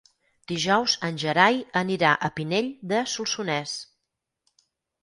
Dijous en Gerai anirà a Pinell de Solsonès.